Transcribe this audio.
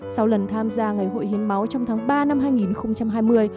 sau lần tham gia ngày hội hiến máu trong tháng ba năm hai nghìn hai mươi